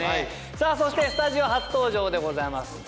さあそしてスタジオ初登場でございます坪井さん。